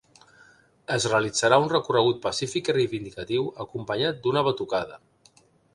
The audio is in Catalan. Es realitzarà un recorregut pacífic i reivindicatiu acompanyat d’una batucada.